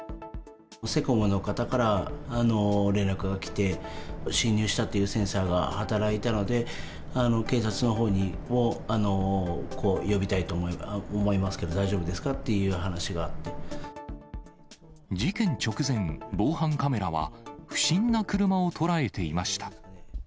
セコムの方から、連絡が来て、侵入したというセンサーが働いたので、警察のほうを呼びたいと思いますけど、大丈夫ですか？という話が事件直前、防犯カメラは不審な車を捉えていました。